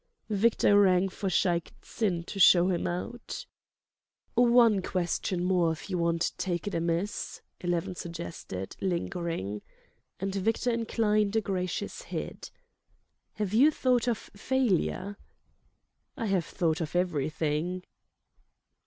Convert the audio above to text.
Victor rang for Shaik Tsin to show him out. "One question more, if you won't take it amiss," Eleven suggested, lingering. And Victor inclined a gracious head. "Have you thought of failure?" "I have thought of everything."